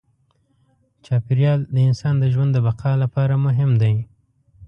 چاپېریال د انسان د ژوند د بقا لپاره مهم دی.